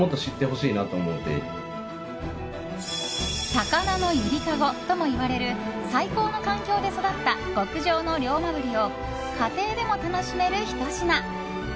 魚のゆりかごともいわれる最高の環境で育った極上の龍馬鰤を家庭でも楽しめるひと品。